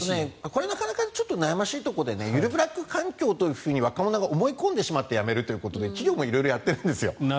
これはなかなか悩ましいところでゆるブラック環境というふうに若者が思い込んでしまって辞めるということで企業も色々やってるんです。